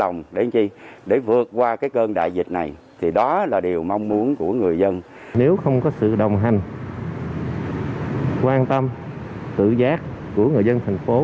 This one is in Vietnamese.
nếu không có sự đồng hành quan tâm tự giác của người dân thành phố